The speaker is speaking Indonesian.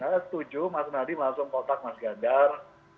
saya setuju mas nadi masuk kotak mas gadjar